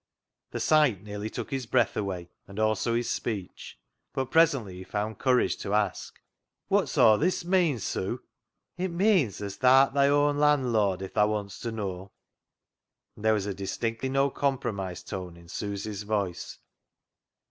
The sight nearly took his breath away and also his speech. But presently he found courage to ask —" Wot's aw this meean. Sue? "" It meeans as tha'rt thy own landlord, if tha wants to know," and there was a distinctly no compromise tone in Susy's voice.